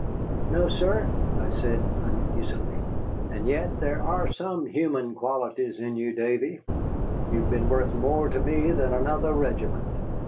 "No, sir," I said uneasily. "And yet there are some human qualities in you, Davy. You have been worth more to me than another regiment."